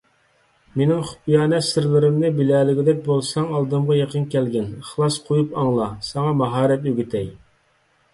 مېنىڭ خۇپىيانە سىرلىرىمنى بىلەلىگۈدەك بولساڭ ئالدىمغا يېقىن كەلگىن، ئىخلاس قويۇپ ئاڭلا، ساڭا ماھارەت ئۆگىتەي.